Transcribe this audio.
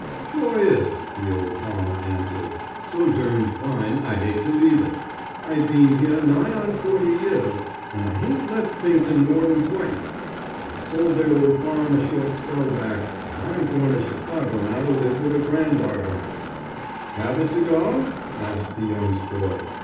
"Shore is," the old farmer answered. "So durned fine I hate tew leave it. I bean here nigh on forty years, and I hain't left Bington more'n twict. I sold the old farm a short spell back, and I'm going to Chicago now to live with a granddarter." "Have a cigar?" asked the young sport.